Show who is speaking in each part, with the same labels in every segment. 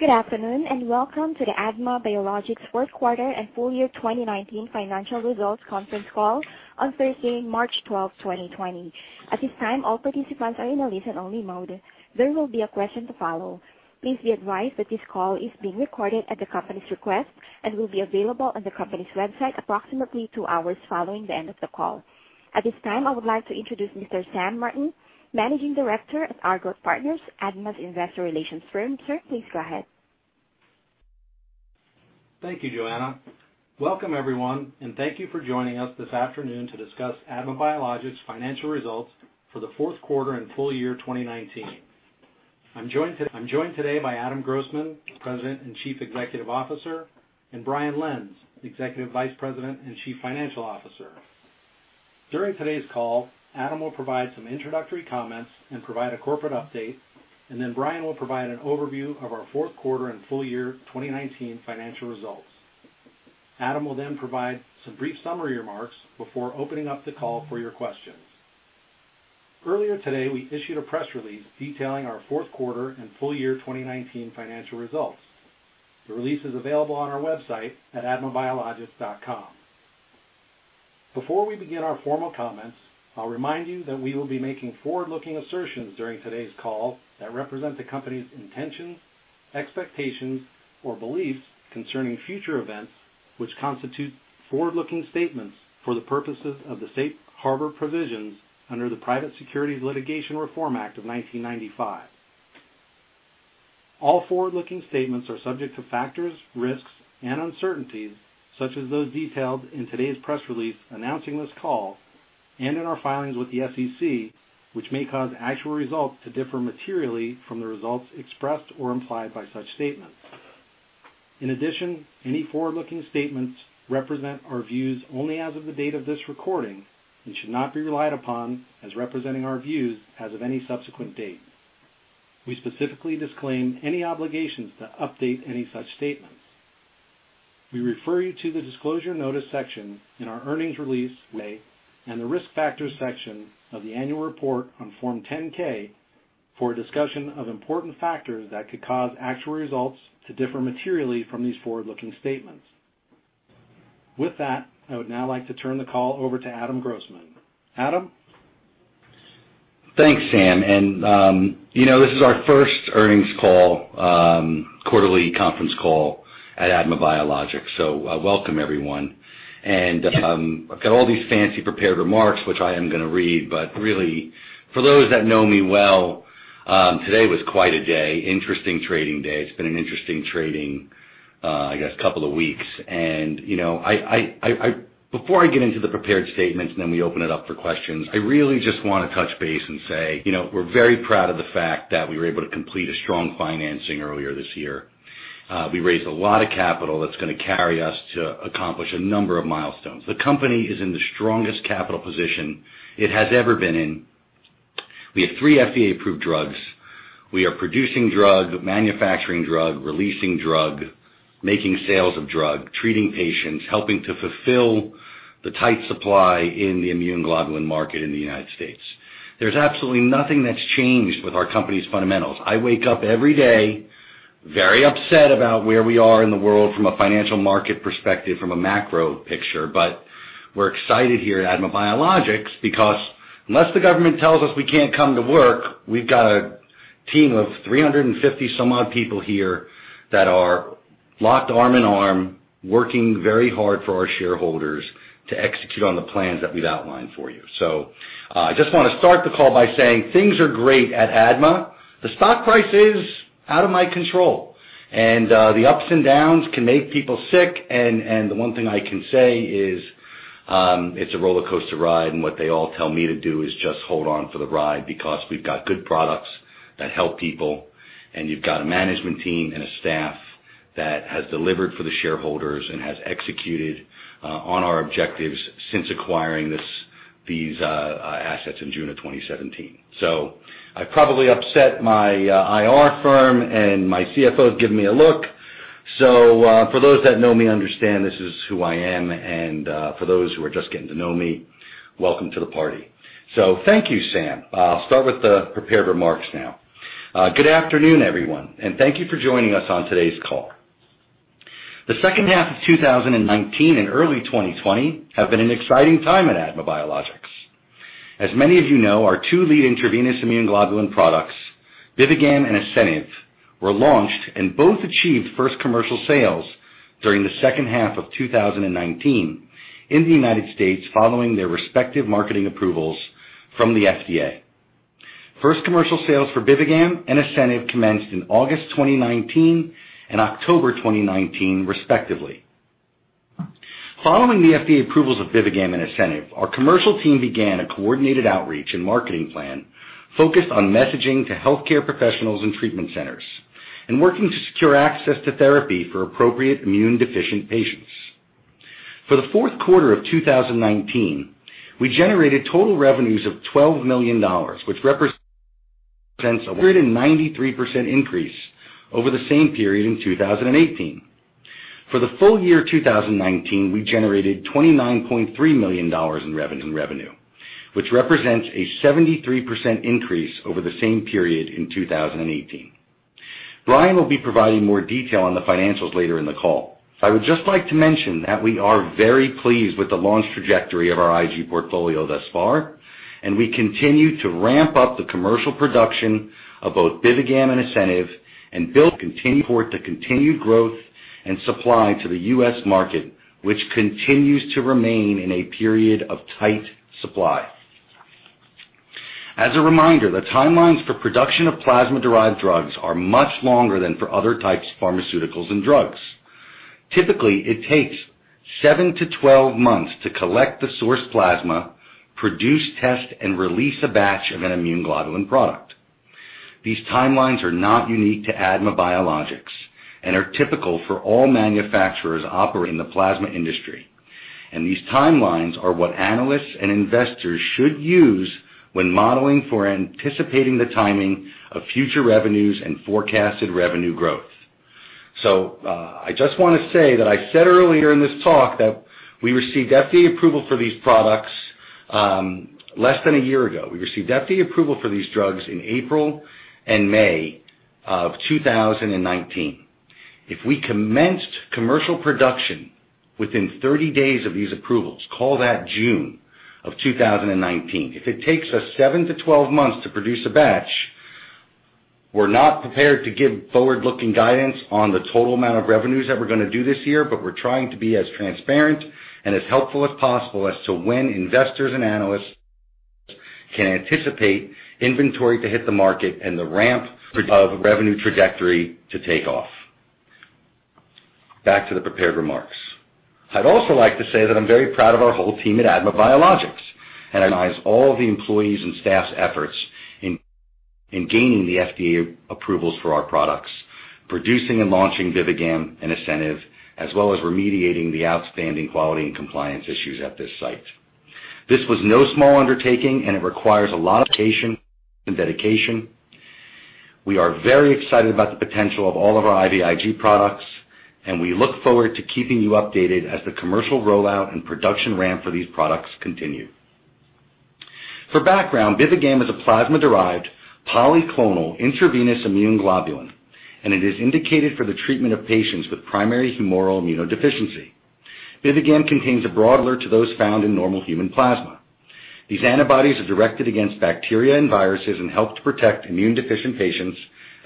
Speaker 1: Good afternoon, and welcome to the ADMA Biologics fourth quarter and full year 2019 financial results conference call on Thursday, March 12, 2020. At this time, all participants are in a listen-only mode. There will be a question to follow. Please be advised that this call is being recorded at the company's request and will be available on the company's website approximately two hours following the end of the call. At this time, I would like to introduce Mr. Sam Martin, Managing Director of Argot Partners, ADMA's investor relations firm. Sir, please go ahead.
Speaker 2: Thank you, Joanna. Welcome everyone, and thank you for joining us this afternoon to discuss ADMA Biologics financial results for the fourth quarter and full year 2019. I'm joined today by Adam Grossman, President and Chief Executive Officer, and Brian Lenz, Executive Vice President and Chief Financial Officer. During today's call, Adam will provide some introductory comments and provide a corporate update, and then Brian will provide an overview of our fourth quarter and full year 2019 financial results. Adam will then provide some brief summary remarks before opening up the call for your questions. Earlier today, we issued a press release detailing our fourth quarter and full year 2019 financial results. The release is available on our website at admabiologics.com. Before we begin our formal comments, I'll remind you that we will be making forward-looking assertions during today's call that represent the company's intentions, expectations, or beliefs concerning future events, which constitute forward-looking statements for the purposes of the Safe Harbor provisions under the Private Securities Litigation Reform Act of 1995. All forward-looking statements are subject to factors, risks, and uncertainties, such as those detailed in today's press release announcing this call and in our filings with the SEC, which may cause actual results to differ materially from the results expressed or implied by such statements. In addition, any forward-looking statements represent our views only as of the date of this recording and should not be relied upon as representing our views as of any subsequent date. We specifically disclaim any obligations to update any such statements. We refer you to the Disclosure Notice section in our earnings release and the Risk Factors section of the annual report on Form 10-K for a discussion of important factors that could cause actual results to differ materially from these forward-looking statements. With that, I would now like to turn the call over to Adam Grossman. Adam?
Speaker 3: Thanks, Sam. This is our first earnings call, quarterly conference call at ADMA Biologics. Welcome, everyone. I've got all these fancy prepared remarks, which I am going to read, but really, for those that know me well, today was quite a day. Interesting trading day. It's been an interesting trading, I guess, couple of weeks. Before I get into the prepared statements and then we open it up for questions, I really just want to touch base and say we're very proud of the fact that we were able to complete a strong financing earlier this year. We raised a lot of capital that's going to carry us to accomplish a number of milestones. The company is in the strongest capital position it has ever been in. We have three FDA-approved drugs. We are producing drug, manufacturing drug, releasing drug, making sales of drug, treating patients, helping to fulfill the tight supply in the immune globulin market in the United States. There's absolutely nothing that's changed with our company's fundamentals. I wake up every day very upset about where we are in the world from a financial market perspective, from a macro picture. We're excited here at ADMA Biologics because unless the government tells us we can't come to work, we've got a team of 350 some odd people here that are locked arm in arm, working very hard for our shareholders to execute on the plans that we've outlined for you. I just want to start the call by saying things are great at ADMA. The stock price is out of my control, and the ups and downs can make people sick and the one thing I can say is it's a roller coaster ride, and what they all tell me to do is just hold on for the ride because we've got good products that help people, and you've got a management team and a staff that has delivered for the shareholders and has executed on our objectives since acquiring these assets in June of 2017. I've probably upset my IR firm and my CFO is giving me a look. For those that know me, understand this is who I am, and for those who are just getting to know me, welcome to the party. Thank you, Sam. I'll start with the prepared remarks now. Good afternoon, everyone, and thank you for joining us on today's call. The second half of 2019 and early 2020 have been an exciting time at ADMA Biologics. As many of you know, our two lead intravenous immune globulin products, BIVIGAM and ASCENIV, were launched and both achieved first commercial sales during the second half of 2019 in the United States following their respective marketing approvals from the FDA. First commercial sales for BIVIGAM and ASCENIV commenced in August 2019 and October 2019 respectively. Following the FDA approvals of BIVIGAM and ASCENIV, our commercial team began a coordinated outreach and marketing plan focused on messaging to healthcare professionals and treatment centers and working to secure access to therapy for appropriate immune deficient patients. For the fourth quarter of 2019, we generated total revenues of $12 million, which represents a 193% increase over the same period in 2018. For the full year 2019, we generated $29.3 million in revenue, which represents a 73% increase over the same period in 2018. Brian will be providing more detail on the financials later in the call. I would just like to mention that we are very pleased with the launch trajectory of our IG portfolio thus far, and we continue to ramp up the commercial production of both BIVIGAM and ASCENIV and build continued support to continued growth and supply to the U.S. market, which continues to remain in a period of tight supply. As a reminder, the timelines for production of plasma-derived drugs are much longer than for other types of pharmaceuticals and drugs. Typically, it takes 7-12 months to collect the source plasma, produce, test, and release a batch of an immunoglobulin product. These timelines are not unique to ADMA Biologics and are typical for all manufacturers operating the plasma industry. These timelines are what analysts and investors should use when modeling for anticipating the timing of future revenues and forecasted revenue growth. I just want to say that I said earlier in this talk that we received FDA approval for these products, less than a year ago. We received FDA approval for these drugs in April and May of 2019. If we commenced commercial production within 30 days of these approvals, call that June of 2019. If it takes us 7-12 months to produce a batch, we're not prepared to give forward-looking guidance on the total amount of revenues that we're going to do this year, but we're trying to be as transparent and as helpful as possible as to when investors and analysts can anticipate inventory to hit the market and the ramp of revenue trajectory to take off. Back to the prepared remarks. I'd also like to say that I'm very proud of our whole team at ADMA Biologics, and recognize all of the employees' and staff's efforts in gaining the FDA approvals for our products, producing and launching BIVIGAM and ASCENIV, as well as remediating the outstanding quality and compliance issues at this site. This was no small undertaking, and it requires a lot of patience and dedication. We are very excited about the potential of all of our IVIG products, and we look forward to keeping you updated as the commercial rollout and production ramp for these products continue. For background, BIVIGAM is a plasma-derived, polyclonal, intravenous immune globulin, and it is indicated for the treatment of patients with primary humoral immunodeficiency. BIVIGAM contains a broad array of antibodies found in normal human plasma. These antibodies are directed against bacteria and viruses and help to protect immune deficient patients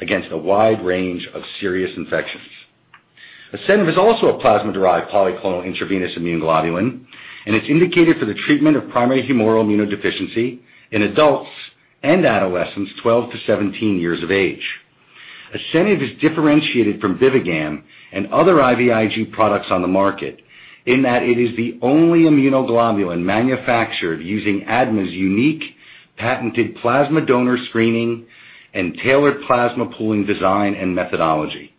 Speaker 3: against a wide range of serious infections. ASCENIV is also a plasma-derived polyclonal intravenous immune globulin, and it's indicated for the treatment of primary humoral immunodeficiency in adults and adolescents 12 to 17 years of age. ASCENIV is differentiated from BIVIGAM and other IVIG products on the market in that it is the only immunoglobulin manufactured using ADMA's unique patented plasma donor screening and tailored plasma pooling design and methodology.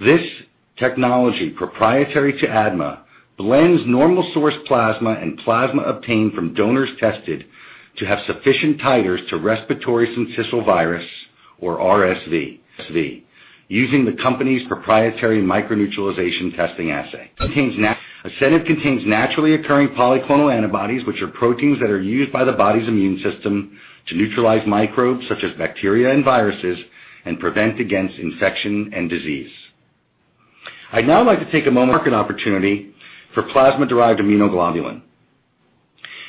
Speaker 3: This technology, proprietary to ADMA, blends normal source plasma and plasma obtained from donors tested to have sufficient titers to respiratory syncytial virus, or RSV, using the company's proprietary microneutralization testing assay. ASCENIV contains naturally occurring polyclonal antibodies, which are proteins that are used by the body's immune system to neutralize microbes such as bacteria and viruses and prevent against infection and disease. I'd now like to take a moment market opportunity for plasma-derived immunoglobulin.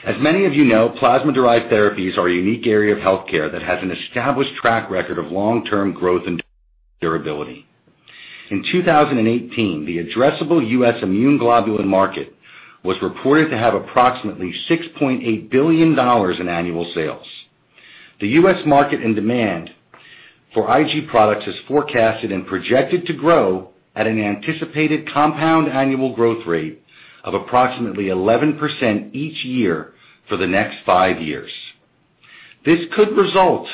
Speaker 3: As many of you know, plasma-derived therapies are a unique area of healthcare that has an established track record of long-term growth and durability. In 2018, the addressable U.S. immune globulin market was reported to have approximately $6.8 billion in annual sales. The U.S. market and demand for IG products is forecasted and projected to grow at an anticipated compound annual growth rate of approximately 11% each year for the next five years. This could result in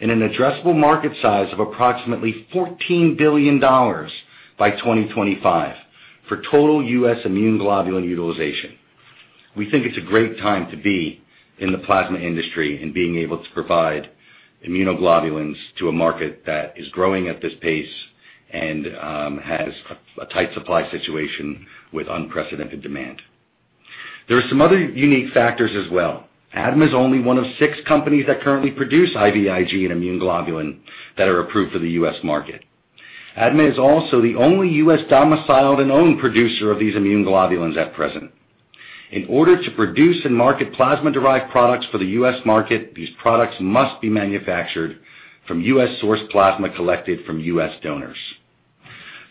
Speaker 3: an addressable market size of approximately $14 billion by 2025 for total U.S. immune globulin utilization. We think it's a great time to be in the plasma industry and being able to provide immunoglobulins to a market that is growing at this pace and has a tight supply situation with unprecedented demand. There are some other unique factors as well. ADMA is only one of six companies that currently produce IVIG and immune globulin that are approved for the U.S. market. ADMA is also the only U.S. domiciled and owned producer of these immune globulins at present. In order to produce and market plasma derived products for the U.S. market, these products must be manufactured from U.S.-sourced plasma collected from U.S. donors.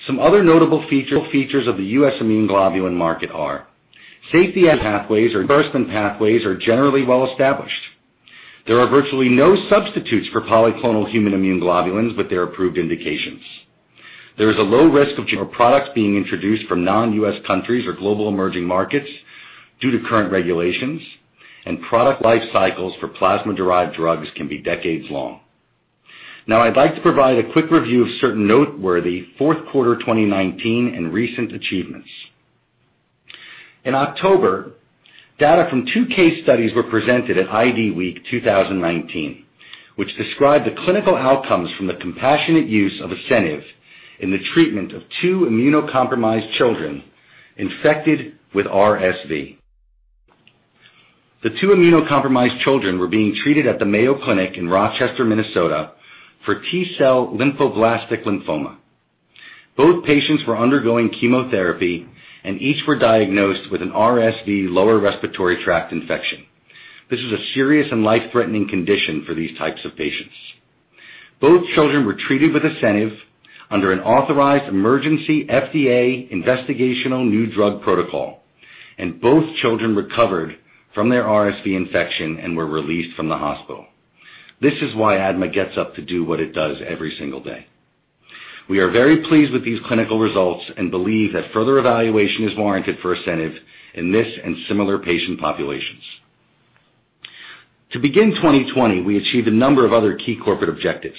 Speaker 3: Some other notable features of the U.S. immune globulin market are safety pathways or reimbursement pathways are generally well established. There are virtually no substitutes for polyclonal human immune globulins with their approved indications. There is a low risk of general products being introduced from non-U.S. countries or global emerging markets due to current regulations, and product life cycles for plasma derived drugs can be decades long. Now, I'd like to provide a quick review of certain noteworthy fourth quarter 2019 and recent achievements. In October, data from two case studies were presented at IDWeek 2019, which described the clinical outcomes from the compassionate use of ASCENIV in the treatment of two immunocompromised children infected with RSV. The two immunocompromised children were being treated at the Mayo Clinic in Rochester, Minnesota for T-cell lymphoblastic lymphoma. Both patients were undergoing chemotherapy, and each were diagnosed with an RSV lower respiratory tract infection. This is a serious and life-threatening condition for these types of patients. Both children were treated with ASCENIV under an authorized emergency FDA investigational new drug protocol, and both children recovered from their RSV infection and were released from the hospital. This is why ADMA gets up to do what it does every single day. We are very pleased with these clinical results and believe that further evaluation is warranted for ASCENIV in this and similar patient populations. To begin 2020, we achieved a number of other key corporate objectives,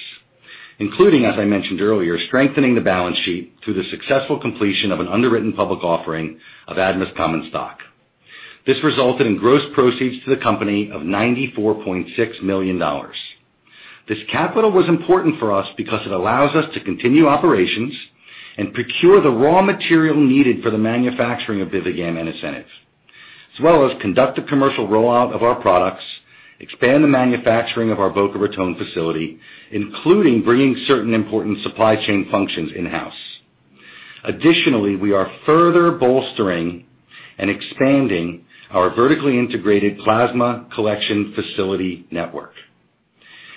Speaker 3: including, as I mentioned earlier, strengthening the balance sheet through the successful completion of an underwritten public offering of ADMA's common stock. This resulted in gross proceeds to the company of $94.6 million. This capital was important for us because it allows us to continue operations and procure the raw material needed for the manufacturing of BIVIGAM and ASCENIV, as well as conduct the commercial rollout of our products, expand the manufacturing of our Boca Raton facility, including bringing certain important supply chain functions in-house. We are further bolstering and expanding our vertically integrated plasma collection facility network.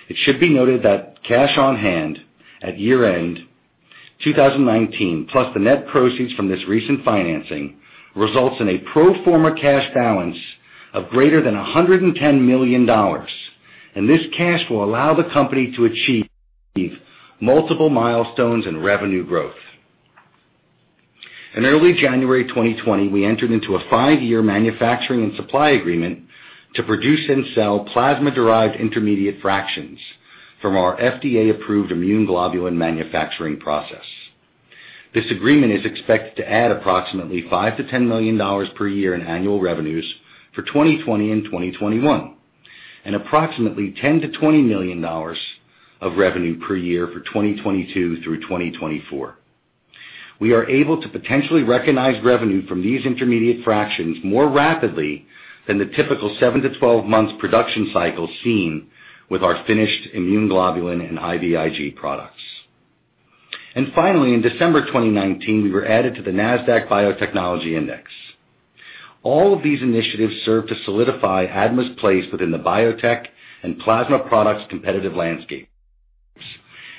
Speaker 3: It should be noted that cash on hand at year-end 2019, plus the net proceeds from this recent financing, results in a pro forma cash balance of greater than $110 million, and this cash will allow the company to achieve multiple milestones in revenue growth. In early January 2020, we entered into a five-year manufacturing and supply agreement to produce and sell plasma-derived intermediate fractions from our FDA-approved immune globulin manufacturing process. This agreement is expected to add approximately $5 million-$10 million per year in annual revenues for 2020 and 2021, and approximately $10 million-$20 million of revenue per year for 2022 through 2024. We are able to potentially recognize revenue from these intermediate fractions more rapidly than the typical 7-12 months production cycle seen with our finished immune globulin and IVIG products. Finally, in December 2019, we were added to the Nasdaq Biotechnology Index. All of these initiatives serve to solidify ADMA's place within the biotech and plasma products competitive landscapes,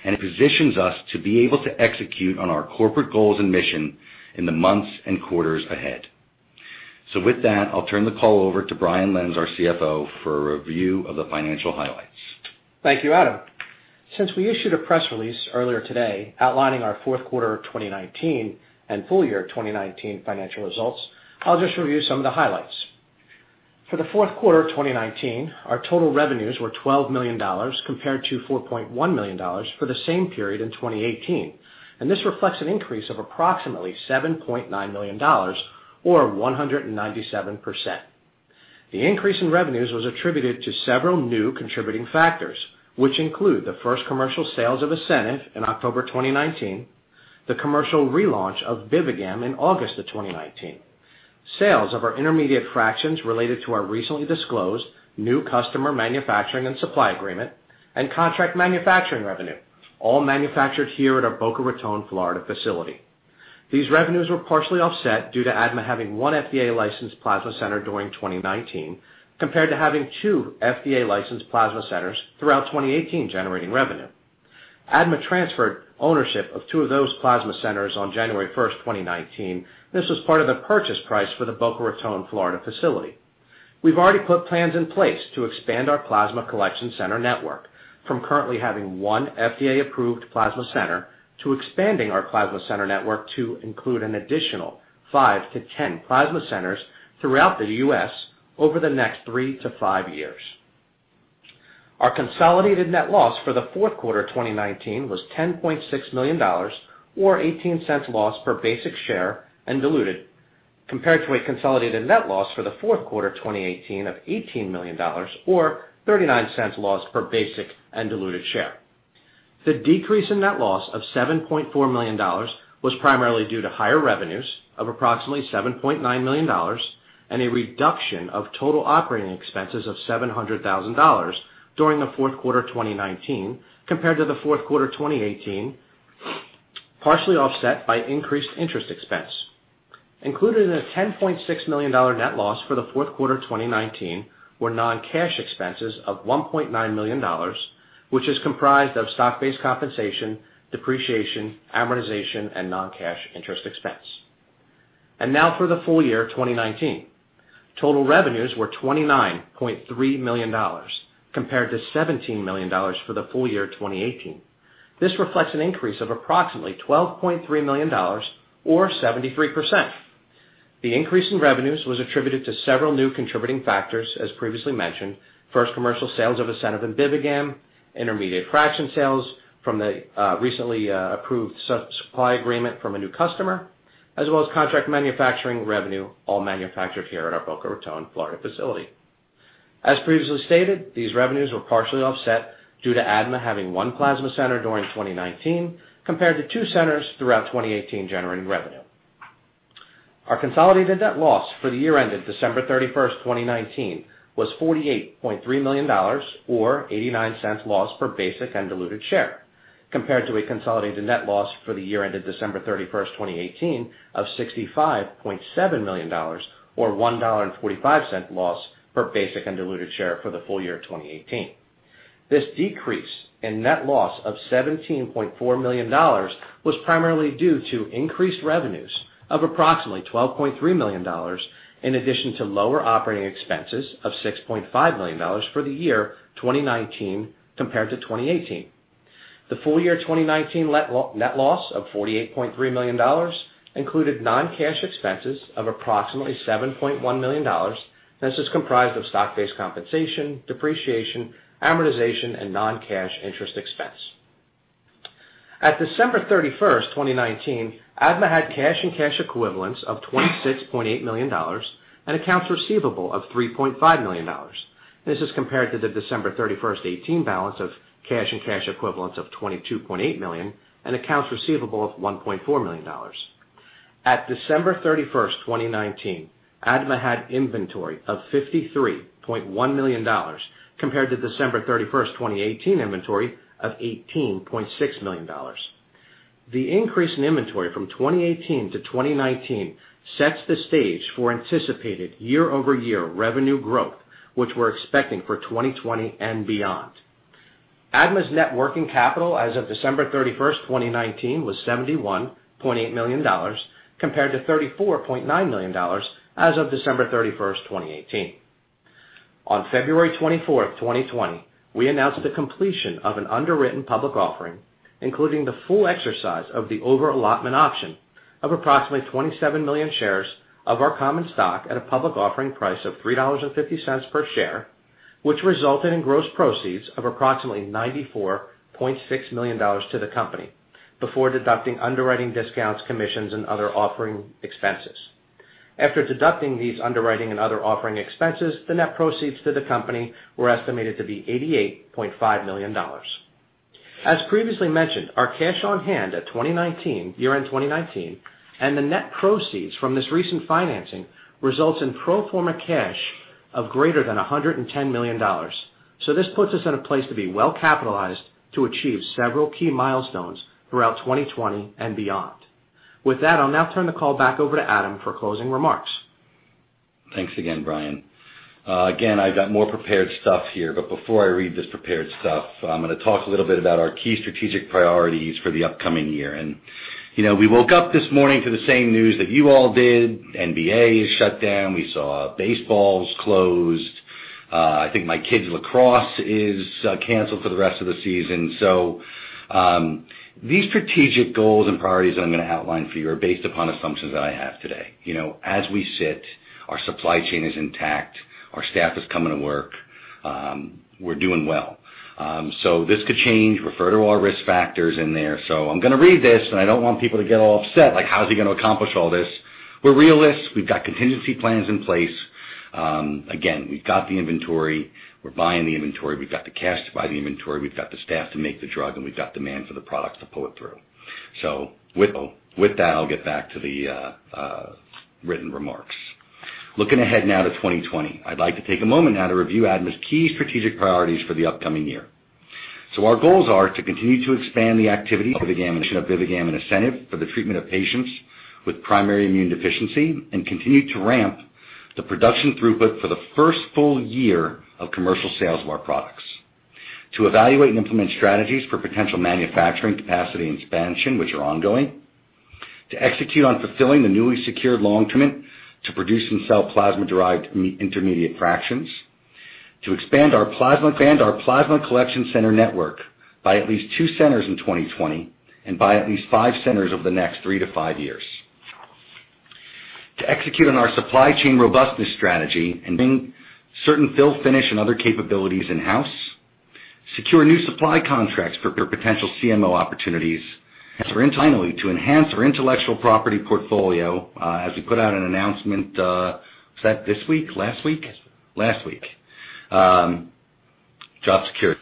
Speaker 3: and it positions us to be able to execute on our corporate goals and mission in the months and quarters ahead. With that, I'll turn the call over to Brian Lenz, our CFO, for a review of the financial highlights.
Speaker 4: Thank you, Adam. Since we issued a press release earlier today outlining our fourth quarter 2019 and full year 2019 financial results, I'll just review some of the highlights. For the fourth quarter of 2019, our total revenues were $12 million, compared to $4.1 million for the same period in 2018. This reflects an increase of approximately $7.9 million, or 193%. The increase in revenues was attributed to several new contributing factors, which include the first commercial sales of ASCENIV in October 2019, the commercial relaunch of BIVIGAM in August of 2019, sales of our intermediate fractions related to our recently disclosed new customer manufacturing and supply agreement, and contract manufacturing revenue, all manufactured here at our Boca Raton, Florida facility. These revenues were partially offset due to ADMA having one FDA licensed plasma center during 2019, compared to having two FDA licensed plasma centers throughout 2018 generating revenue. ADMA transferred ownership of two of those plasma centers on January 1st, 2019, and this was part of the purchase price for the Boca Raton, Florida facility. We've already put plans in place to expand our plasma collection center network from currently having one FDA-approved plasma center to expanding our plasma center network to include an additional 5-10 plasma centers throughout the U.S. over the next three to five years. Our consolidated net loss for the fourth quarter 2019 was $10.6 million, or $0.18 loss per basic share and diluted, compared to a consolidated net loss for the fourth quarter 2018 of $18 million, or $0.39 loss per basic and diluted share. The decrease in net loss of $7.4 million was primarily due to higher revenues of approximately $7.9 million and a reduction of total operating expenses of $700,000 during the fourth quarter 2019, compared to the fourth quarter 2018, partially offset by increased interest expense. Included in the $10.6 million net loss for the fourth quarter 2019 were non-cash expenses of $1.9 million, which is comprised of stock-based compensation, depreciation, amortization, and non-cash interest expense. Now for the full year 2019. Total revenues were $29.3 million compared to $17 million for the full year 2018. This reflects an increase of approximately $12.3 million, or 73%. The increase in revenues was attributed to several new contributing factors, as previously mentioned, first commercial sales of ASCENIV and BIVIGAM, intermediate fraction sales from the recently approved supply agreement from a new customer, as well as contract manufacturing revenue, all manufactured here at our Boca Raton, Florida facility. As previously stated, these revenues were partially offset due to ADMA having one plasma center during 2019 compared to two centers throughout 2018 generating revenue. Our consolidated net loss for the year ended December 31st, 2019 was $48.3 million, or $0.89 loss per basic and diluted share, compared to a consolidated net loss for the year ended December 31st, 2018 of $65.7 million, or $1.45 loss per basic and diluted share for the full year 2018. This decrease in net loss of $17.4 million was primarily due to increased revenues of approximately $12.3 million, in addition to lower operating expenses of $6.5 million for the year 2019 compared to 2018. The full year 2019 net loss of $48.3 million included non-cash expenses of approximately $7.1 million. This is comprised of stock-based compensation, depreciation, amortization, and non-cash interest expense. At December 31st, 2019, ADMA had cash and cash equivalents of $26.8 million and accounts receivable of $3.5 million. This is compared to the December 31st, 2018 balance of cash and cash equivalents of $22.8 million and accounts receivable of $1.4 million. At December 31st, 2019, ADMA had inventory of $53.1 million, compared to December 31st, 2018 inventory of $18.6 million. The increase in inventory from 2018 to 2019 sets the stage for anticipated year-over-year revenue growth, which we're expecting for 2020 and beyond. ADMA's net working capital as of December 31st, 2019 was $71.8 million, compared to $34.9 million as of December 31st, 2018. On February 24th, 2020, we announced the completion of an underwritten public offering, including the full exercise of the over-allotment option of approximately 27 million shares of our common stock at a public offering price of $3.50 per share, which resulted in gross proceeds of approximately $94.6 million to the company before deducting underwriting discounts, commissions, and other offering expenses. After deducting these underwriting and other offering expenses, the net proceeds to the company were estimated to be $88.5 million. As previously mentioned, our cash on hand at year-end 2019 and the net proceeds from this recent financing results in pro forma cash of greater than $110 million. This puts us in a place to be well capitalized to achieve several key milestones throughout 2020 and beyond. With that, I'll now turn the call back over to Adam for closing remarks.
Speaker 3: Thanks again, Brian. I've got more prepared stuff here, but before I read this prepared stuff, I'm going to talk a little bit about our key strategic priorities for the upcoming year. We woke up this morning to the same news that you all did. NBA is shut down. We saw baseball's closed. I think my kids' lacrosse is canceled for the rest of the season. These strategic goals and priorities that I'm going to outline for you are based upon assumptions that I have today. As we sit, our supply chain is intact, our staff is coming to work. We're doing well. This could change, refer to our risk factors in there. I'm going to read this, and I don't want people to get all upset like, "How's he going to accomplish all this?" We're realists. We've got contingency plans in place. Again, we've got the inventory. We're buying the inventory. We've got the cash to buy the inventory. We've got the staff to make the drug, and we've got demand for the product to pull it through. With that, I'll get back to the written remarks. Looking ahead now to 2020, I'd like to take a moment now to review ADMA's key strategic priorities for the upcoming year. Our goals are to continue to expand the activity of BIVIGAM and ASCENIV for the treatment of patients with primary immune deficiency and continue to ramp the production throughput for the first full year of commercial sales of our products, to evaluate and implement strategies for potential manufacturing capacity expansion which are ongoing, to execute on fulfilling the newly secured long commitment to produce and sell plasma-derived intermediate fractions, to expand our plasma collection center network by at least two centers in 2020 and by at least five centers over the next three to five years, to execute on our supply chain robustness strategy, including certain fill finish and other capabilities in-house, secure new supply contracts for potential CMO opportunities, and finally, to enhance our intellectual property portfolio as we put out an announcement Was that this week? Last week?
Speaker 2: Last week.
Speaker 3: Last week. Job security.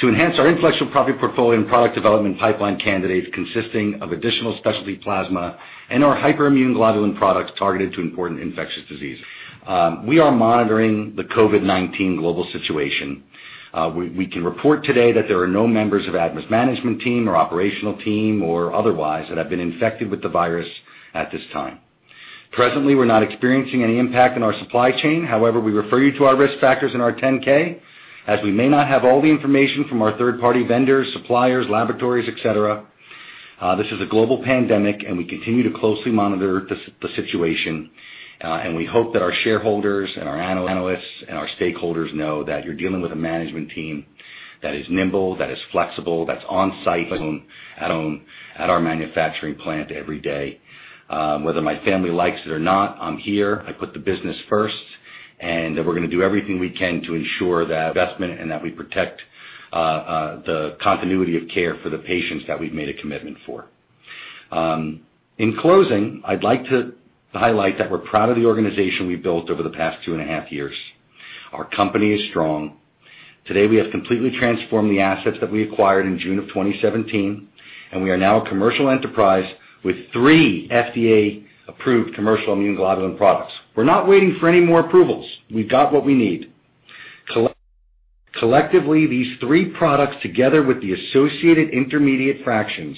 Speaker 3: To enhance our intellectual property portfolio and product development pipeline candidates consisting of additional specialty plasma and our hyperimmune globulin products targeted to important infectious diseases. We are monitoring the COVID-19 global situation. We can report today that there are no members of ADMA's management team or operational team or otherwise that have been infected with the virus at this time. Presently, we're not experiencing any impact on our supply chain. We refer you to our risk factors in our 10-K, as we may not have all the information from our third-party vendors, suppliers, laboratories, et cetera. This is a global pandemic, we continue to closely monitor the situation. We hope that our shareholders and our analysts and our stakeholders know that you're dealing with a management team that is nimble, that is flexible, that's on-site at our manufacturing plant every day. Whether my family likes it or not, I'm here. I put the business first, and we're going to do everything we can to ensure that investment and that we protect the continuity of care for the patients that we've made a commitment for. In closing, I'd like to highlight that we're proud of the organization we've built over the past two and a half years. Our company is strong. Today, we have completely transformed the assets that we acquired in June of 2017, and we are now a commercial enterprise with three FDA-approved commercial immune globulin products. We're not waiting for any more approvals. We've got what we need. Collectively, these three products, together with the associated intermediate fractions,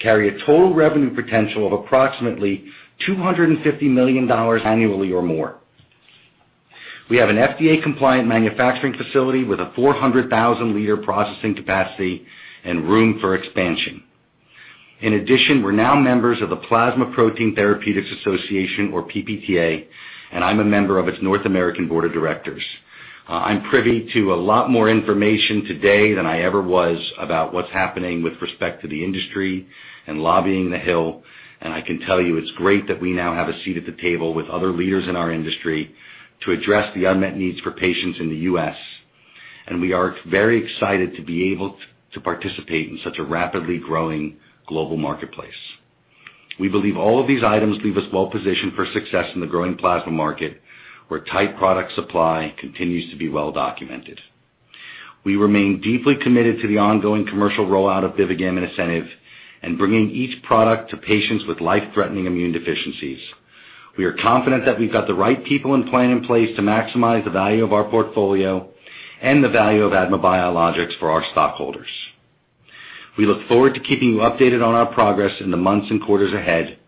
Speaker 3: carry a total revenue potential of approximately $250 million annually or more. We have an FDA-compliant manufacturing facility with a 400,000-L processing capacity and room for expansion. In addition, we're now members of the Plasma Protein Therapeutics Association, or PPTA, and I'm a member of its North American Board of Directors. I'm privy to a lot more information today than I ever was about what's happening with respect to the industry and lobbying the hill, and I can tell you it's great that we now have a seat at the table with other leaders in our industry to address the unmet needs for patients in the U.S., and we are very excited to be able to participate in such a rapidly growing global marketplace. We believe all of these items leave us well positioned for success in the growing plasma market, where tight product supply continues to be well documented. We remain deeply committed to the ongoing commercial rollout of BIVIGAM and ASCENIV and bringing each product to patients with life-threatening immune deficiencies. We are confident that we've got the right people and plan in place to maximize the value of our portfolio and the value of ADMA Biologics for our stockholders. We look forward to keeping you updated on our progress in the months and quarters ahead.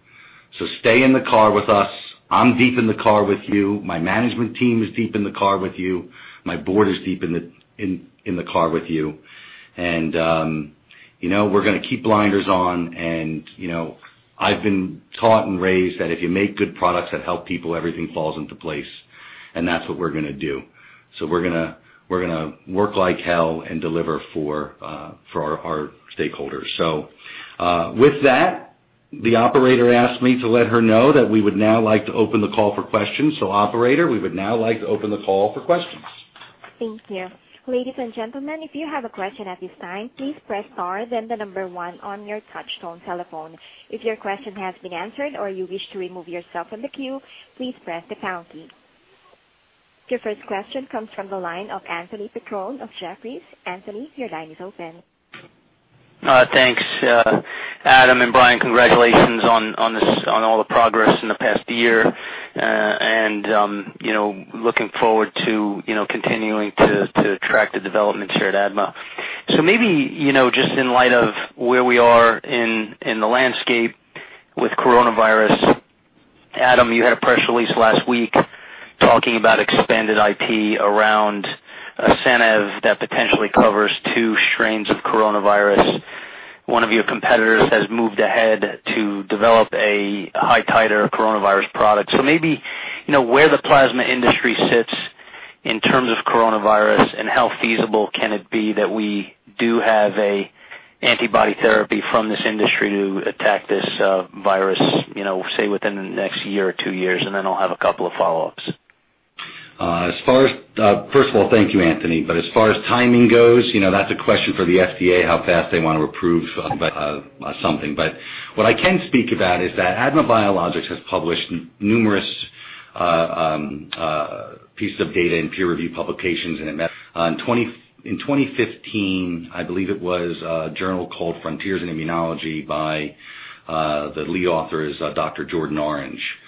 Speaker 3: Stay in the car with us. I'm deep in the car with you. My management team is deep in the car with you. My board is deep in the car with you. We're going to keep blinders on. I've been taught and raised that if you make good products that help people, everything falls into place, and that's what we're going to do. We're going to work like hell and deliver for our stakeholders. With that, the operator asked me to let her know that we would now like to open the call for questions. Operator, we would now like to open the call for questions.
Speaker 1: Thank you. Ladies and gentlemen, if you have a question at this time, please press star then the number one on your touchtone telephone. If your question has been answered or you wish to remove yourself from the queue, please press the pound key. Your first question comes from the line of Anthony Petrone of Jefferies. Anthony, your line is open.
Speaker 5: Thanks, Adam and Brian. Congratulations on all the progress in the past year. Looking forward to continuing to track the developments here at ADMA. Maybe just in light of where we are in the landscape with coronavirus, Adam, you had a press release last week talking about expanded IP around ASCENIV that potentially covers two strains of coronavirus. One of your competitors has moved ahead to develop a high titer coronavirus product. Maybe where the plasma industry sits in terms of coronavirus and how feasible can it be that we do have a antibody therapy from this industry to attack this virus within the next year or two years? I'll have a couple of follow-ups.
Speaker 3: First of all, thank you, Anthony. As far as timing goes, that's a question for the FDA, how fast they want to approve something. What I can speak about is that ADMA Biologics has published numerous pieces of data in peer-review publications. In 2015, I believe it was a journal called "Frontiers in Immunology" by the lead author is Dr. Jordan Orange.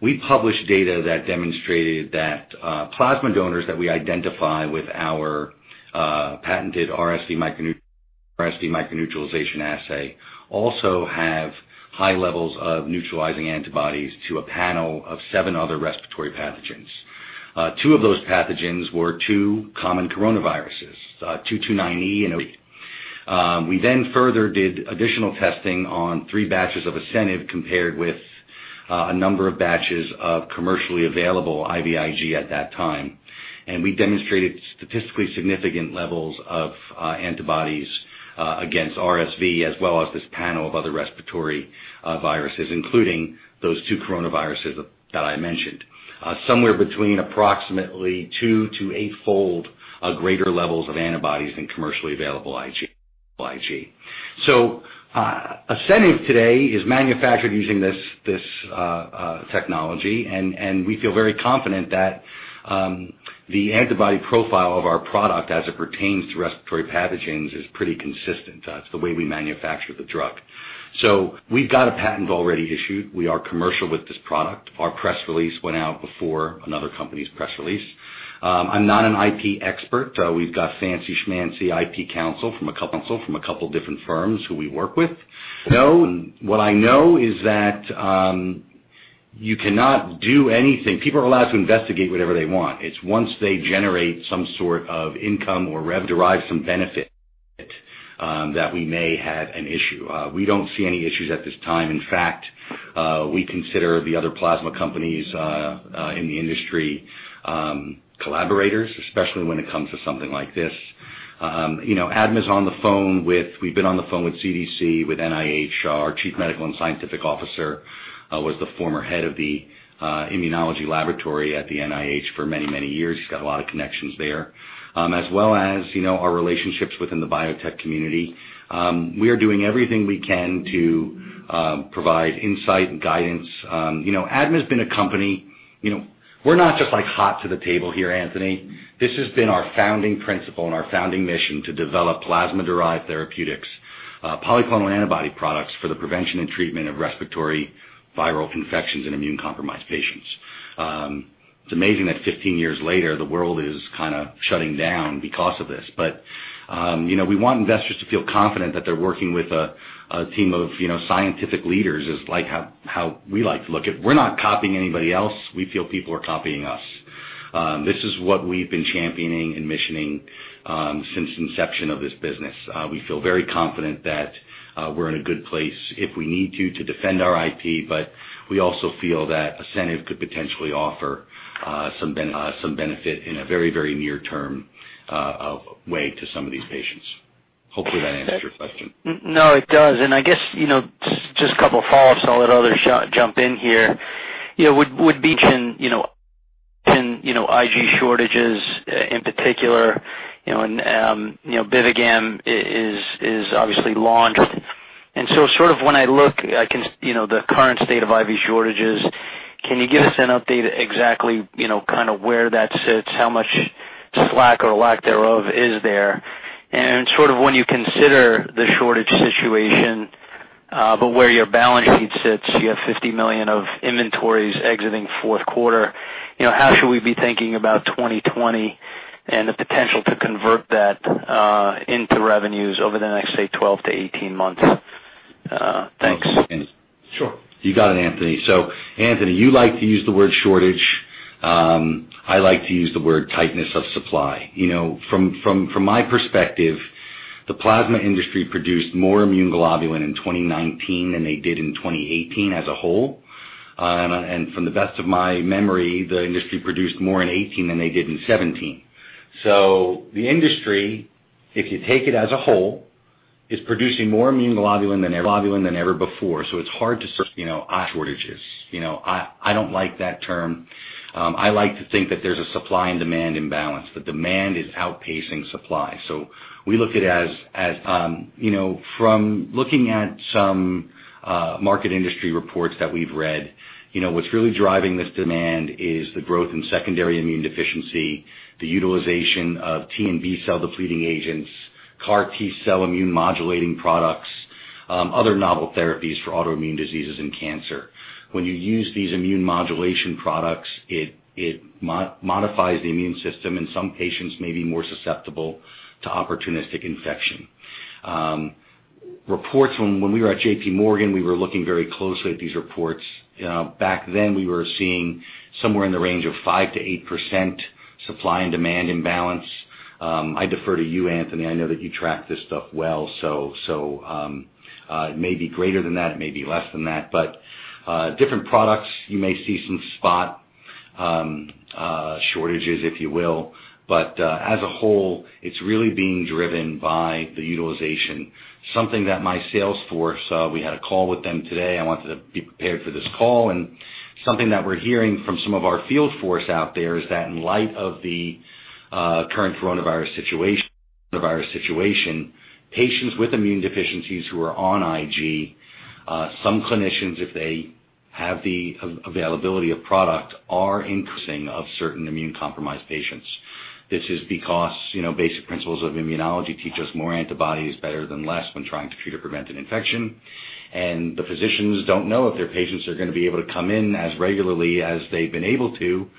Speaker 3: We published data that demonstrated that plasma donors that we identify with our patented RSV microneutralization assay also have high levels of neutralizing antibodies to a panel of seven other respiratory pathogens. Two of those pathogens were two common coronaviruses, 229E and OC43. We further did additional testing on three batches of ASCENIV compared with a number of batches of commercially available IVIG at that time. We demonstrated statistically significant levels of antibodies against RSV as well as this panel of other respiratory viruses, including those two coronaviruses that I mentioned. Somewhere between approximately two to eightfold greater levels of antibodies than commercially available IVIG. ASCENIV today is manufactured using this technology, and we feel very confident that the antibody profile of our product as it pertains to respiratory pathogens is pretty consistent. It's the way we manufacture the drug. We've got a patent already issued. We are commercial with this product. Our press release went out before another company's press release. I'm not an IP expert. We've got fancy schmancy IP counsel from a couple of different firms who we work with. What I know is that you cannot do anything. People are allowed to investigate whatever they want. It's once they generate some sort of income or derive some benefit that we may have an issue. We don't see any issues at this time. We consider the other plasma companies in the industry collaborators, especially when it comes to something like this. ADMA's been on the phone with CDC, with NIH. Our Chief Medical and Scientific Officer was the former Head of the Immunology Laboratory at the NIH for many years. He's got a lot of connections there, as well as our relationships within the biotech community. We are doing everything we can to provide insight and guidance. We're not just like hot to the table here, Anthony. This has been our founding principle and our founding mission to develop plasma-derived therapeutics, polyclonal antibody products for the prevention and treatment of respiratory viral infections in immunocompromised patients. It's amazing that 15 years later, the world is kind of shutting down because of this. We want investors to feel confident that they're working with a team of scientific leaders, is how we like to look at it. We're not copying anybody else. We feel people are copying us. This is what we've been championing and missioning since the inception of this business. We feel very confident that we're in a good place if we need to defend our IP, but we also feel that ASCENIV could potentially offer some benefit in a very near-term way to some of these patients. Hopefully, that answers your question.
Speaker 5: No, it does. I guess, just a couple of follow-ups, I'll let others jump in here. IgA shortages in particular, BIVIGAM is obviously launched. When I look at the current state of IV shortages, can you give us an update exactly where that sits, how much slack or lack thereof is there? When you consider the shortage situation, but where your balance sheet sits, you have $50 million of inventories exiting fourth quarter. How should we be thinking about 2020 and the potential to convert that into revenues over the next, say, 12-18 months? Thanks.
Speaker 3: Sure. You got it, Anthony. Anthony, you like to use the word shortage. I like to use the word tightness of supply. From my perspective, the plasma industry produced more immune globulin in 2019 than they did in 2018 as a whole. From the best of my memory, the industry produced more in 2018 than they did in 2017. The industry, if you take it as a whole, is producing more immune globulin than ever before. It's hard to cite shortages. I don't like that term. I like to think that there's a supply and demand imbalance. The demand is outpacing supply. We look at it as from looking at some market industry reports that we've read, what's really driving this demand is the growth in secondary immune deficiency, the utilization of T-cell and B-cell depleting agents, CAR T-cell immune modulating products, other novel therapies for autoimmune diseases and cancer. When you use these immune modulation products, it modifies the immune system, and some patients may be more susceptible to opportunistic infection. Reports from when we were at JPMorgan, we were looking very closely at these reports. Back then, we were seeing somewhere in the range of 5%-8% supply and demand imbalance. I defer to you, Anthony. I know that you track this stuff well. It may be greater than that, it may be less than that. Different products, you may see some spot shortages, if you will. As a whole, it's really being driven by the utilization. Something that my sales force, we had a call with them today, I wanted to be prepared for this call. Something that we're hearing from some of our field force out there is that in light of the current coronavirus situation, patients with immune deficiencies who are on IG, some clinicians, if they have the availability of product, are increasing of certain immune-compromised patients. This is because basic principles of immunology teach us more antibody is better than less when trying to prevent an infection. The physicians don't know if their patients are going to be able to come in as regularly as they've been able to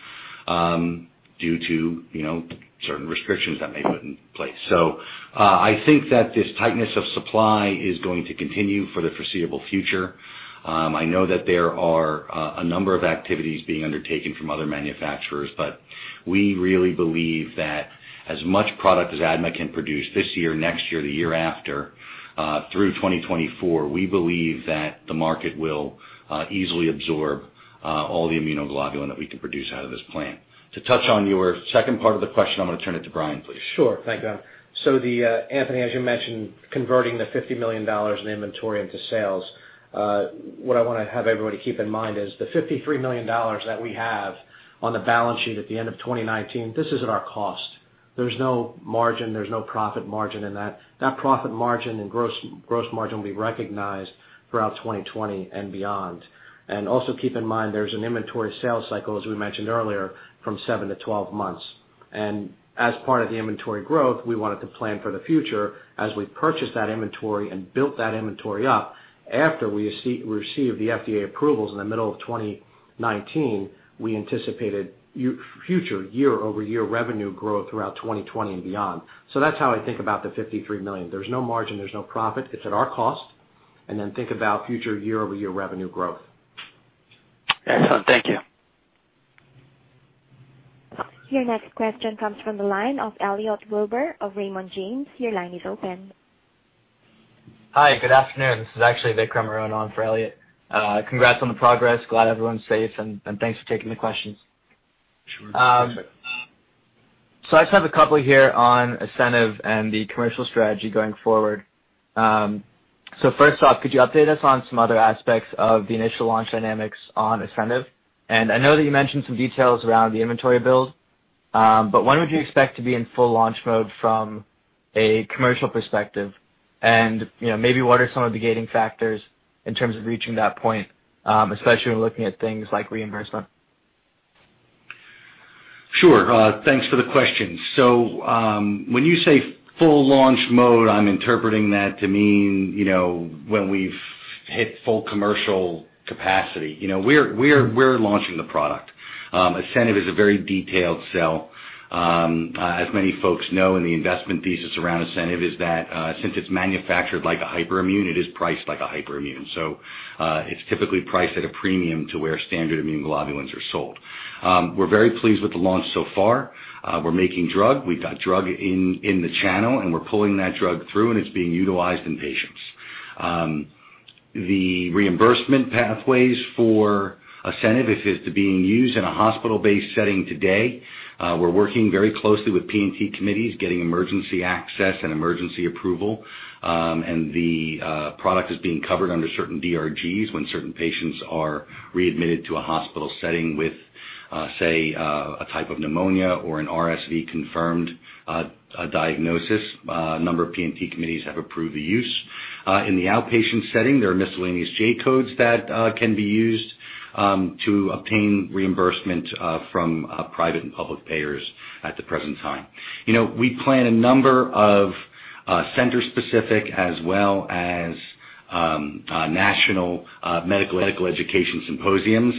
Speaker 3: due to certain restrictions that may put in place. I think that this tightness of supply is going to continue for the foreseeable future. I know that there are a number of activities being undertaken from other manufacturers, but we really believe that as much product as ADMA can produce this year, next year, the year after, through 2024, we believe that the market will easily absorb all the immunoglobulin that we can produce out of this plant. To touch on your second part of the question, I'm going to turn it to Brian, please.
Speaker 4: Sure. Thank you. Anthony, as you mentioned, converting the $50 million in inventory into sales. What I want to have everybody keep in mind is the $53 million that we have on the balance sheet at the end of 2019, this is at our cost. There's no margin, there's no profit margin in that. That profit margin and gross margin will be recognized throughout 2020 and beyond. Also keep in mind, there's an inventory sales cycle, as we mentioned earlier, from 7-12 months. As part of the inventory growth, we wanted to plan for the future as we purchased that inventory and built that inventory up after we received the FDA approvals in the middle of 2019, we anticipated future year-over-year revenue growth throughout 2020 and beyond. That's how I think about the $53 million. There's no margin, there's no profit. It's at our cost. Then think about future year-over-year revenue growth.
Speaker 5: Thank you.
Speaker 1: Your next question comes from the line of Elliot Wilbur of Raymond James. Your line is open.
Speaker 6: Hi, good afternoon. This is actually Vikram Arun on for Elliot. Congrats on the progress. Glad everyone's safe, and thanks for taking the questions.
Speaker 3: Sure.
Speaker 6: I just have a couple here on ASCENIV and the commercial strategy going forward. First off, could you update us on some other aspects of the initial launch dynamics on ASCENIV? I know that you mentioned some details around the inventory build. When would you expect to be in full launch mode from a commercial perspective? Maybe what are some of the gating factors in terms of reaching that point, especially when looking at things like reimbursement?
Speaker 3: Sure. Thanks for the question. When you say full launch mode, I'm interpreting that to mean when we've hit full commercial capacity. We're launching the product. ASCENIV is a very detailed sell. As many folks know, in the investment thesis around ASCENIV is that, since it's manufactured like a hyperimmune, it is priced like a hyperimmune. It's typically priced at a premium to where standard immune globulins are sold. We're very pleased with the launch so far. We're making drug. We've got drug in the channel, and we're pulling that drug through, and it's being utilized in patients. The reimbursement pathways for ASCENIV, if it's being used in a hospital-based setting today, we're working very closely with P&T committees, getting emergency access and emergency approval. The product is being covered under certain DRGs when certain patients are readmitted to a hospital setting with, say, a type of pneumonia or an RSV-confirmed diagnosis. A number of P&T committees have approved the use. In the outpatient setting, there are miscellaneous J-codes that can be used to obtain reimbursement from private and public payers at the present time. We plan a number of center-specific as well as national medical education symposiums.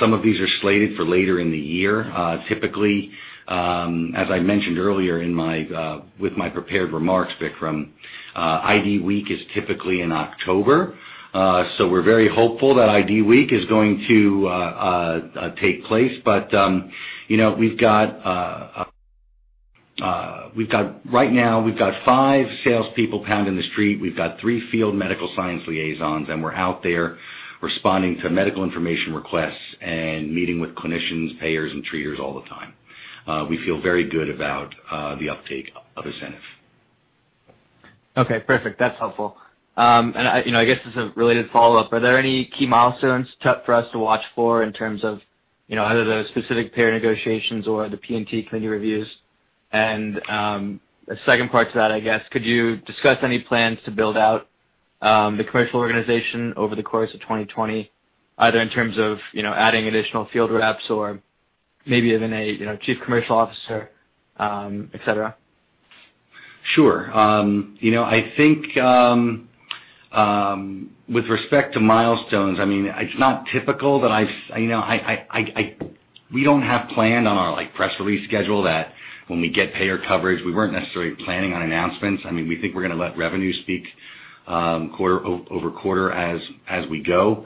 Speaker 3: Some of these are slated for later in the year. Typically, as I mentioned earlier with my prepared remarks, Vikram, IDWeek is typically in October. We're very hopeful that IDWeek is going to take place. Right now, we've got five salespeople pounding the street. We've got three field medical science liaisons, and we're out there responding to medical information requests and meeting with clinicians, payers, and treaters all the time. We feel very good about the uptake of ASCENIV.
Speaker 6: Okay, perfect. That's helpful. I guess as a related follow-up, are there any key milestones for us to watch for in terms of either those specific payer negotiations or the P&T committee reviews? The second part to that, I guess, could you discuss any plans to build out the commercial organization over the course of 2020, either in terms of adding additional field reps or maybe even a chief commercial officer, et cetera?
Speaker 3: Sure. I think with respect to milestones, it's not typical that we don't have planned on our press release schedule that when we get payer coverage, we weren't necessarily planning on announcements. We think we're going to let revenue speak quarter-over-quarter as we go.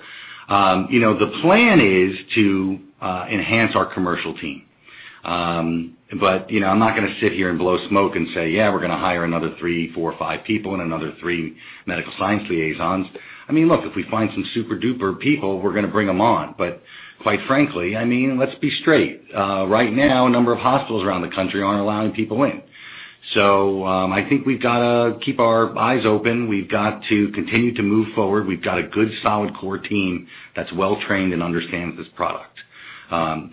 Speaker 3: The plan is to enhance our commercial team. I'm not going to sit here and blow smoke and say, yeah, we're going to hire another three, four, five people and another three medical science liaisons. Look, if we find some super-duper people, we're going to bring them on. Quite frankly, let's be straight. Right now, a number of hospitals around the country aren't allowing people in. I think we've got to keep our eyes open. We've got to continue to move forward. We've got a good, solid core team that's well trained and understands this product. I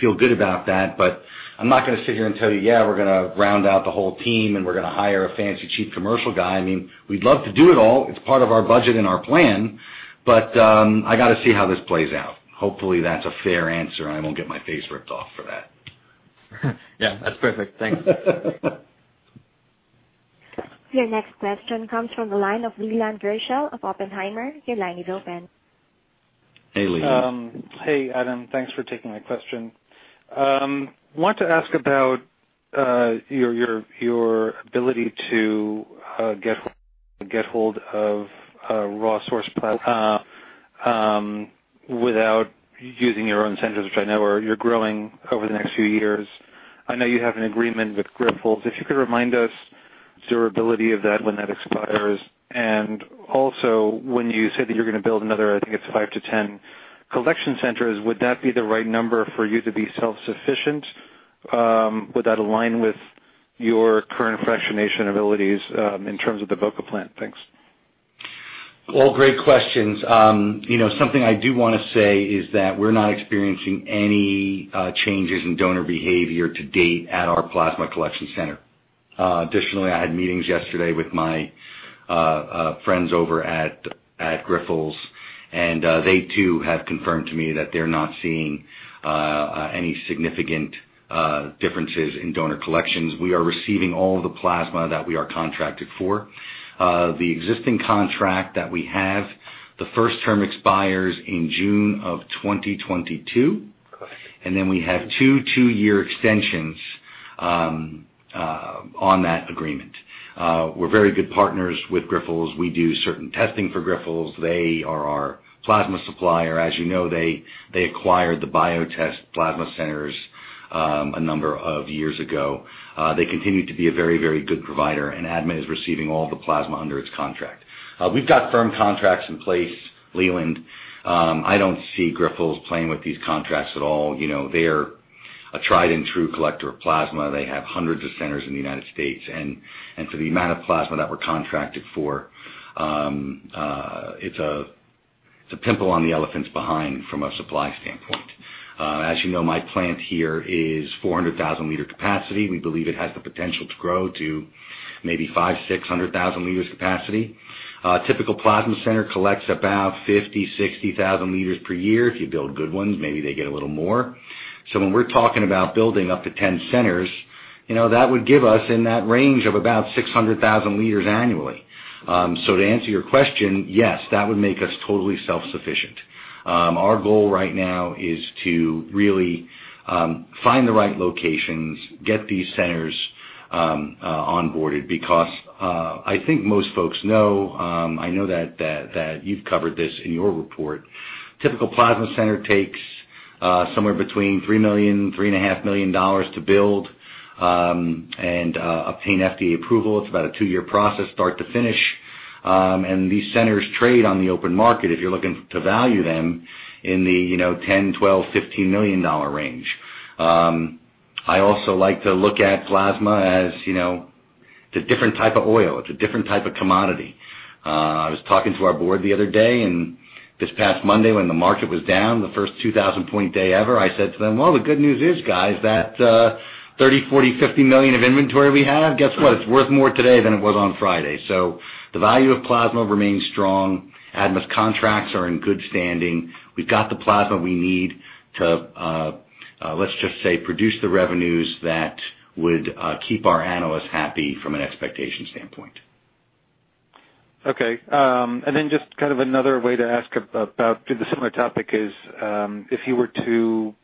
Speaker 3: feel good about that, but I'm not going to sit here and tell you, "Yeah, we're going to round out the whole team, and we're going to hire a fancy chief commercial guy." We'd love to do it all. It's part of our budget and our plan, but I got to see how this plays out. Hopefully, that's a fair answer, and I won't get my face ripped off for that.
Speaker 6: Yeah, that's perfect. Thanks.
Speaker 1: Your next question comes from the line of Leland Gershell of Oppenheimer. Your line is open.
Speaker 3: Hey, Leland.
Speaker 7: Hey, Adam. Thanks for taking my question. Wanted to ask about your ability to get hold of raw source plasma without using your own centers, which I know you're growing over the next few years. I know you have an agreement with Grifols. If you could remind us durability of that, when that expires, and also when you say that you're going to build another, I think it's five to 10 collection centers, would that be the right number for you to be self-sufficient? Would that align with your current fractionation abilities in terms of the Boca plant? Thanks.
Speaker 3: All great questions. Something I do want to say is that we're not experiencing any changes in donor behavior to date at our plasma collection center. Additionally, I had meetings yesterday with my friends over at Grifols, and they, too, have confirmed to me that they're not seeing any significant differences in donor collections. We are receiving all of the plasma that we are contracted for. The existing contract that we have, the first term expires in June of 2022.
Speaker 7: Correct.
Speaker 3: We have two-year extensions on that agreement. We're very good partners with Grifols. We do certain testing for Grifols. They are our plasma supplier. As you know, they acquired the Biotest plasma centers a number of years ago. They continue to be a very good provider, and ADMA is receiving all the plasma under its contract. We've got firm contracts in place, Leland. I don't see Grifols playing with these contracts at all. They're a tried and true collector of plasma. They have hundreds of centers in the United States, and for the amount of plasma that we're contracted for, it's a pimple on the elephant's behind from a supply standpoint. As you know, my plant here is 400,000-L capacity. We believe it has the potential to grow to maybe five, 600,000-L capacity. A typical plasma center collects about 50,000 L, 60,000 L per year. If you build good ones, maybe they get a little more. When we're talking about building up to 10 centers, that would give us in that range of about 600,000 L annually. To answer your question, yes, that would make us totally self-sufficient. Our goal right now is to really find the right locations, get these centers onboarded, because I think most folks know, I know that you've covered this in your report. Typical plasma center takes somewhere between $3 million, $3.5 million to build, and obtain FDA approval. It's about a two-year process, start to finish. These centers trade on the open market, if you're looking to value them, in the $10, $12, $15 million range. I also like to look at plasma as a different type of oil. It's a different type of commodity. I was talking to our board the other day, and this past Monday when the market was down, the first 2,000-point day ever, I said to them, "Well, the good news is, guys, that $30 million, $40 million, $50 million of inventory we have, guess what? It's worth more today than it was on Friday." The value of plasma remains strong. ADMA's contracts are in good standing. We've got the plasma we need to, let's just say, produce the revenues that would keep our analysts happy from an expectation standpoint.
Speaker 7: Okay. Just kind of another way to ask about to the similar topic is, if you were to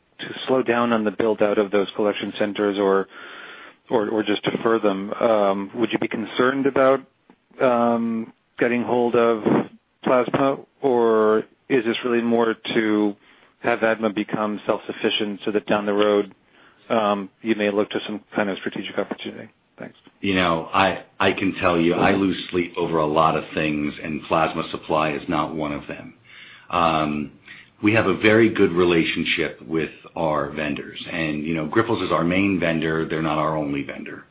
Speaker 7: slow down on the build-out of those collection centers or just defer them, would you be concerned about getting hold of plasma, or is this really more to have ADMA become self-sufficient so that down the road, you may look to some kind of strategic opportunity? Thanks.
Speaker 3: I can tell you, I lose sleep over a lot of things, and plasma supply is not one of them. We have a very good relationship with our vendors, and Grifols is our main vendor. They're not our only vendor.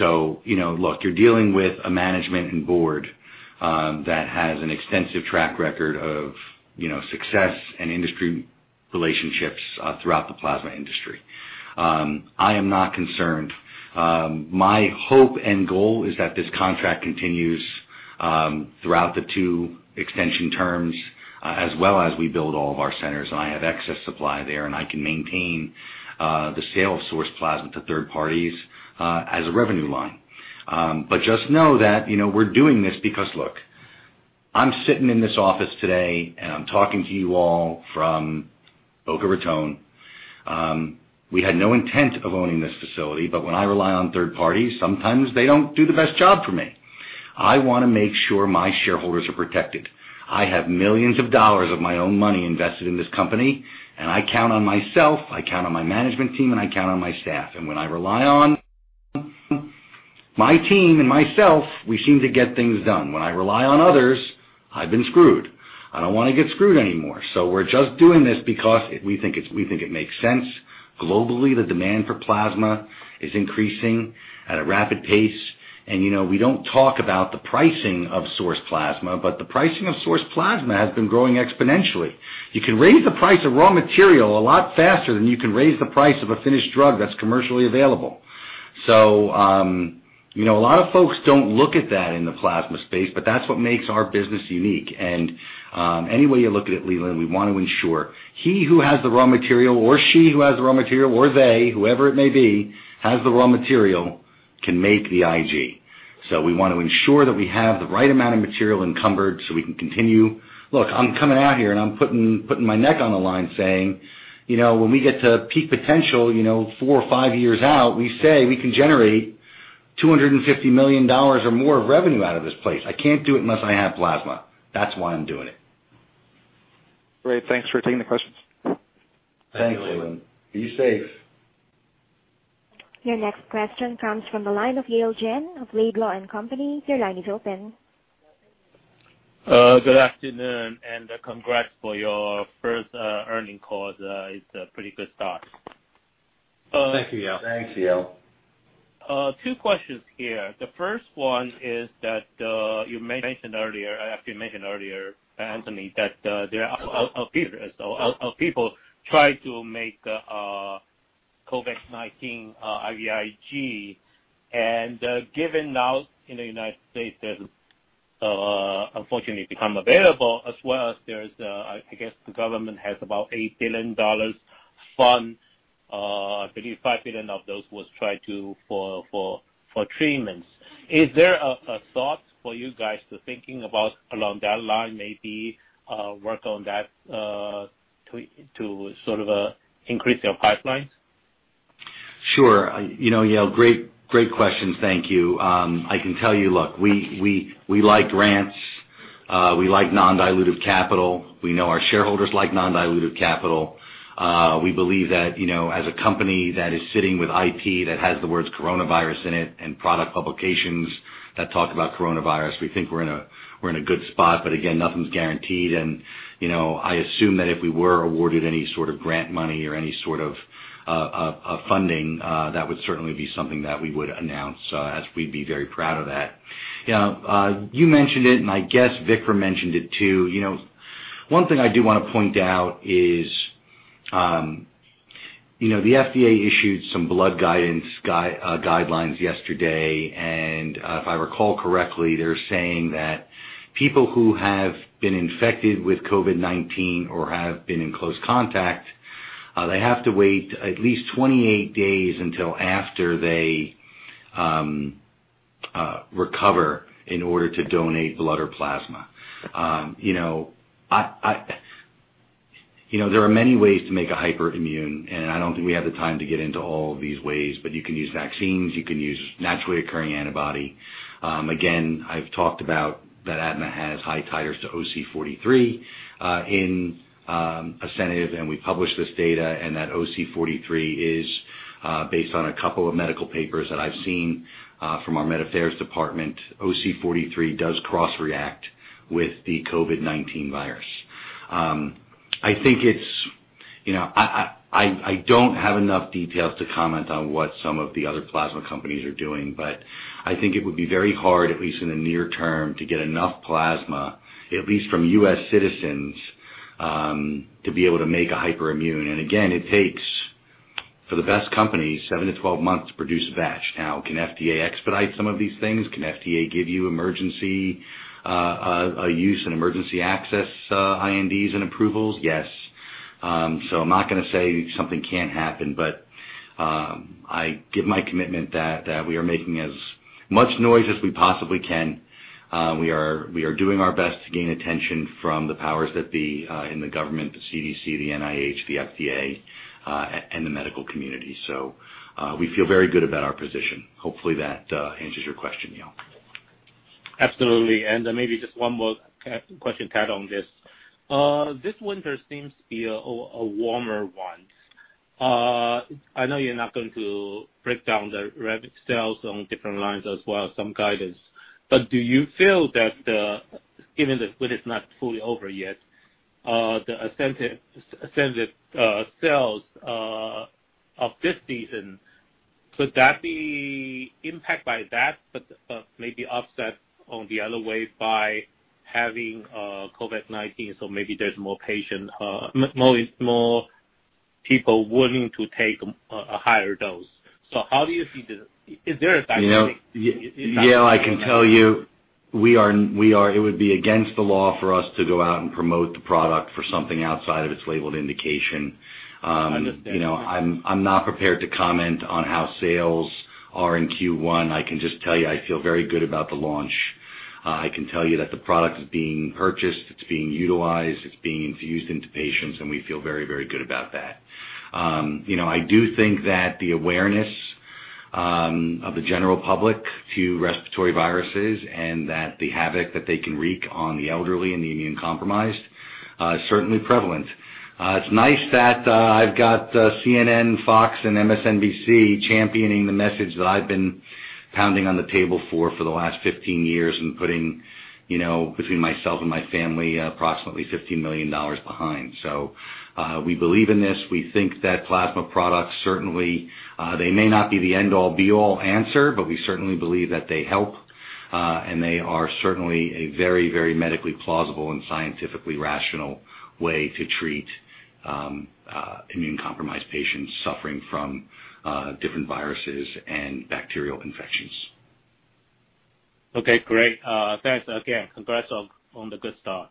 Speaker 3: Look, you're dealing with a management and board that has an extensive track record of success and industry relationships throughout the plasma industry. I am not concerned. My hope and goal is that this contract continues throughout the two extension terms, as well as we build all of our centers and I have excess supply there, and I can maintain the sale of source plasma to third parties, as a revenue line. Just know that we're doing this because, look, I'm sitting in this office today, and I'm talking to you all from Boca Raton. We had no intent of owning this facility, but when I rely on third parties, sometimes they don't do the best job for me. I want to make sure my shareholders are protected. I have millions of dollars of my own money invested in this company, and I count on myself, I count on my management team, and I count on my staff. When I rely on my team and myself, we seem to get things done. When I rely on others, I've been screwed. I don't want to get screwed anymore. We're just doing this because we think it makes sense. Globally, the demand for plasma is increasing at a rapid pace. We don't talk about the pricing of source plasma, but the pricing of source plasma has been growing exponentially. You can raise the price of raw material a lot faster than you can raise the price of a finished drug that's commercially available. A lot of folks don't look at that in the plasma space, but that's what makes our business unique. Any way you look at it, Leland, we want to ensure he who has the raw material, or she who has the raw material, or they, whoever it may be, has the raw material, can make the IG. We want to ensure that we have the right amount of material encumbered so we can continue. Look, I'm coming out here and I'm putting my neck on the line saying, when we get to peak potential four or five years out, we say we can generate $250 million or more of revenue out of this place. I can't do it unless I have plasma. That's why I'm doing it.
Speaker 7: Great. Thanks for taking the questions.
Speaker 3: Thanks, Leland. Be safe.
Speaker 1: Your next question comes from the line of Yale Jen of Laidlaw & Company. Your line is open.
Speaker 8: Good afternoon, and congrats for your first earnings call. It's a pretty good start.
Speaker 3: Thank you, Yale.
Speaker 8: Two questions here. The first one is that you mentioned earlier, Anthony, that there are a few people try to make COVID-19 IVIG. Given now in the United States, there's unfortunately become available as well as there's, I guess the government has about $8 billion fund. I believe $5 billion of those was tried for treatments. Is there a thought for you guys to thinking about along that line, maybe work on that to sort of increase your pipelines?
Speaker 3: Sure. Yale, great question, thank you. I can tell you, look, we like grants. We like non-dilutive capital. We know our shareholders like non-dilutive capital. We believe that as a company that is sitting with IP that has the words coronavirus in it, and product publications that talk about coronavirus, we think we're in a good spot. Again, nothing's guaranteed. I assume that if we were awarded any sort of grant money or any sort of funding, that would certainly be something that we would announce, as we'd be very proud of that. Yale, you mentioned it, and I guess Vikram mentioned it, too. One thing I do want to point out is. The FDA issued some blood guidelines yesterday. If I recall correctly, they're saying that people who have been infected with COVID-19 or have been in close contact, they have to wait at least 28 days until after they recover in order to donate blood or plasma. There are many ways to make a hyperimmune. I don't think we have the time to get into all of these ways. You can use vaccines, you can use naturally occurring antibody. Again, I've talked about that ADMA has high titers to OC43 in ASCENIV. We published this data. That OC43 is based on a couple of medical papers that I've seen from our med affairs department. OC43 does cross-react with the COVID-19 virus. I don't have enough details to comment on what some of the other plasma companies are doing, but I think it would be very hard, at least in the near term, to get enough plasma, at least from U.S. citizens, to be able to make a hyperimmune. Again, it takes, for the best company, seven to 12 months to produce a batch. Can FDA expedite some of these things? Can FDA give you emergency use and emergency access INDs and approvals? Yes. I'm not going to say something can't happen, but I give my commitment that we are making as much noise as we possibly can. We are doing our best to gain attention from the powers that be in the government, the CDC, the NIH, the FDA, and the medical community. We feel very good about our position. Hopefully that answers your question, Yale.
Speaker 8: Absolutely. Maybe just one more question to add on this. This winter seems to be a warmer one. I know you're not going to break down the sales on different lines as well as some guidance, but do you feel that, given the winter's not fully over yet, the ASCENIV sales of this season, could that be impacted by that, but maybe offset on the other way by having COVID-19, so maybe there's more patients, more people willing to take a higher dose? How do you see this? Is there a dynamic?
Speaker 3: Yale, I can tell you, it would be against the law for us to go out and promote the product for something outside of its labeled indication.
Speaker 8: I understand.
Speaker 3: I'm not prepared to comment on how sales are in Q1. I can just tell you I feel very good about the launch. I can tell you that the product is being purchased, it's being utilized, it's being infused into patients, and we feel very good about that. I do think that the awareness of the general public to respiratory viruses and that the havoc that they can wreak on the elderly and the immune-compromised is certainly prevalent. It's nice that I've got CNN, Fox, and MSNBC championing the message that I've been pounding on the table for the last 15 years and putting, between myself and my family, approximately $15 million behind. We believe in this. We think that plasma products, certainly they may not be the end-all be-all answer, but we certainly believe that they help, and they are certainly a very medically plausible and scientifically rational way to treat immune-compromised patients suffering from different viruses and bacterial infections.
Speaker 8: Okay, great. Thanks again. Congrats on the good start.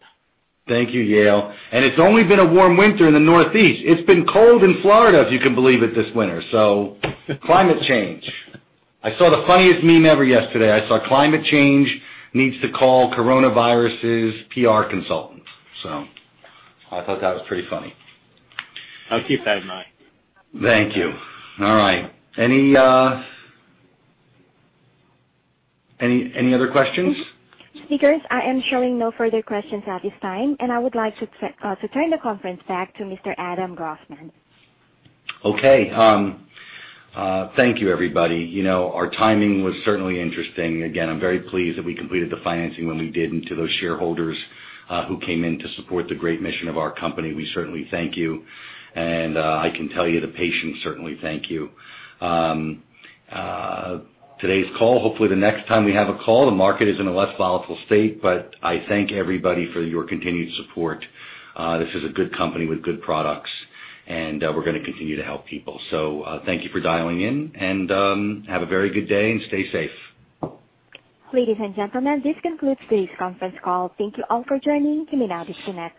Speaker 3: Thank you, Yale. It's only been a warm winter in the Northeast. It's been cold in Florida, if you can believe it, this winter. Climate change. I saw the funniest meme ever yesterday. I saw climate change needs to call coronavirus's PR consultant. I thought that was pretty funny.
Speaker 8: I'll keep that in mind.
Speaker 3: Thank you. All right. Any other questions?
Speaker 1: Speakers, I am showing no further questions at this time, and I would like to turn the conference back to Mr. Adam Grossman.
Speaker 3: Okay. Thank you everybody. Our timing was certainly interesting. Again, I'm very pleased that we completed the financing when we did, and to those shareholders who came in to support the great mission of our company, we certainly thank you, and I can tell you the patients certainly thank you. Today's call, hopefully the next time we have a call, the market is in a less volatile state, but I thank everybody for your continued support. This is a good company with good products, and we're going to continue to help people. Thank you for dialing in, and have a very good day, and stay safe.
Speaker 1: Ladies and gentlemen, this concludes today's conference call. Thank you all for joining. You may now disconnect.